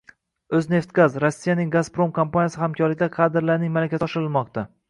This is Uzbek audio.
O‘zbekneftgaz: Rossiyaning Gazprom kompaniyasi hamkorligida kadrlarning malakasi oshirilmoqda